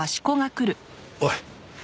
おい。